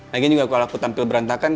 lagi juga kalau aku tampil berantakan